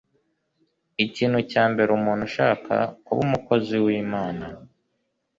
Ikintu cya mbere umuntu ushaka kuba umukozi w'Imana